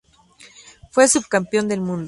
Fue subcampeón del mundo.